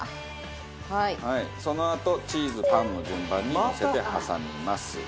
そのあとチーズパンの順番にのせて挟みます。